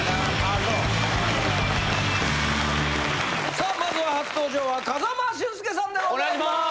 さあまずは初登場は風間俊介さんでございます！